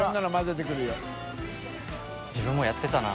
自分もやってたな。